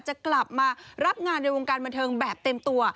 จะกลับมารับงานในวงการบันเทิงแบบเต็มตัว